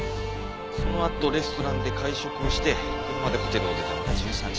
そのあとレストランで会食をして車でホテルを出たのが１３時。